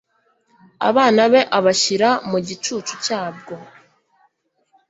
abana be, abashyira mu gicucu cyabwo